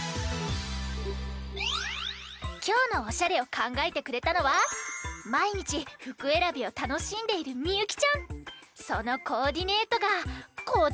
きょうのおしゃれをかんがえてくれたのはまいにちふくえらびをたのしんでいるそのコーディネートがこちら！